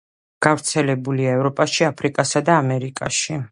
გავრცელებულია ევროპაში, აფრიკასა და ამერიკაში.